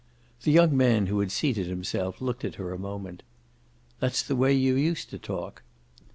The young man, who had seated himself, looked at her a moment. "That's the way you used to talk."